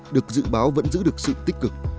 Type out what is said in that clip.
được dự báo vẫn giữ được sự tích cực